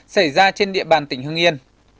sẽ ra trên địa bàn tỉnh hương yên